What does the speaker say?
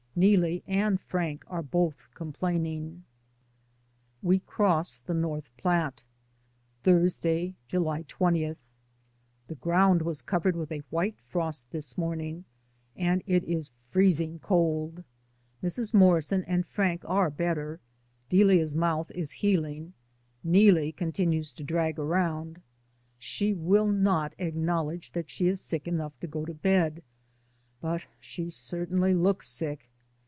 NeeUe and Frank are both complaining. i6o DAYS ON THE ROAD. WE CROSS THE NORTH PLATTE. Thursday, July 20. The ground was covered with a white frost this morning, and it is freezing cold. Mrs. Morrison and Frank are better; Delia's mouth is healing. Neelie continues to drag around ; she will not acknowledge that she is sick enough to go to bed, but she certainly looks sick.